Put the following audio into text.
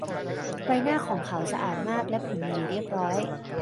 ใบหน้าของเขาสะอาดมาก และผมหวีเรียบร้อย